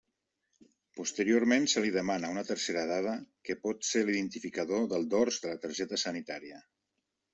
Posteriorment se li demana una tercera dada que pot ser l'identificador del dors de la targeta sanitària.